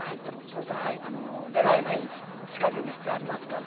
そうすると出られない仕掛けがしてありますから。